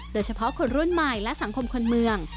โดยเฉพาะคนรุ่นใหม่และสังคมคนเมือง